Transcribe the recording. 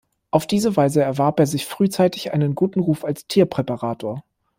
Auf diese Weise erwarb er sich frühzeitig einen guten Ruf als Tierpräparator.